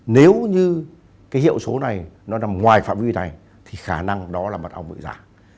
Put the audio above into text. nếu như cái hiệu số này nó nằm ngoài phạm vi này thì khả năng đó là mật ong bị giảm